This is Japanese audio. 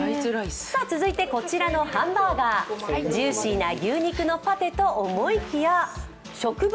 続いてこちらのハンバーガー、ジューシーな牛肉のパテと思いきや植物